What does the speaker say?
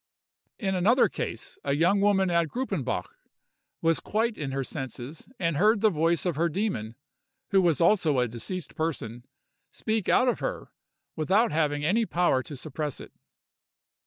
In another case, a young woman at Gruppenbach, was quite in her senses, and heard the voice of her demon (who was also a deceased person) speak out of her, without having any power to suppress it.